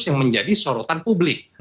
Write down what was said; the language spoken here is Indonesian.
yang menjadi sorotan publik